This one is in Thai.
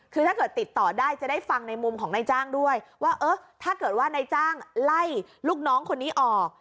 คือถ้าเกิดติดต่อได้จะได้ฟังในมุมของนายจ้างด้วยว่าเออถ้าเกิดว่านายจ้างไล่ลูกน้องคนนี้ออก